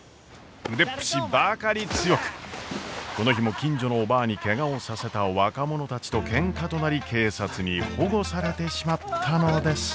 腕っぷしばかり強くこの日も近所のおばぁにケガをさせた若者たちとケンカとなり警察に保護されてしまったのです。